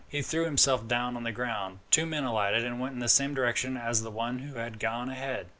He threw himself down on the ground. Two men alighted, and went in the same direction as the one who had gone ahead.